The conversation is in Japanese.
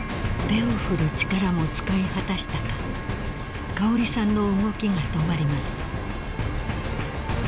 ［手を振る力も使い果たしたか香織さんの動きが止まります］